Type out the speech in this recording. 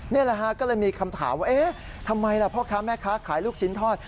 นี่แหละฮะก็เลยมีคำถามว่าเอ๊ะทำไมล่ะพ่อค้าแม่ค้าขายลูกชิ้นทอด